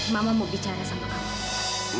mama mau bicara sama kamu